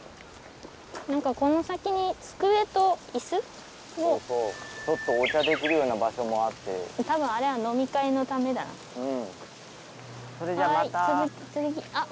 何かこの先に机と椅子？もそうそうちょっとお茶できるような場所もあってたぶんあれは飲み会のためだなうんそれじゃまたあっ